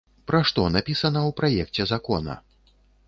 Пра што напісана ў праекце закона?